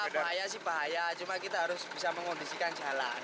bahaya sih bahaya cuma kita harus bisa mengondisikan jalan